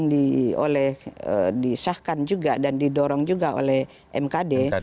di oleh disyahkan juga dan didorong juga oleh mkd